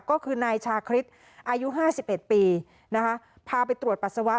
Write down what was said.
ก็คือนายชาคริสอายุ๕๑ปีนะคะพาไปตรวจปัสสาวะ